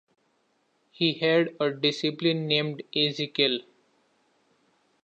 He had a disciple named Ezekiel.